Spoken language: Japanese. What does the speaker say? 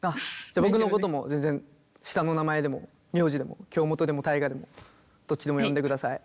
じゃ僕のことも全然下の名前でも名字でも京本でも大我でもどっちでも呼んでください。